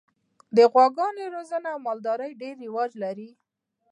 د غواګانو روزنه او مالداري ډېر رواج لري.